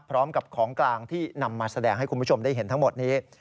พร้อมกับของกลางที่นำมาแสดงให้คุณผู้ชมได้เห็นทั้งหมดนี้